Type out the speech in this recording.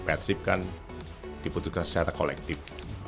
keputusan dipersipkan diputuskan secara kolektif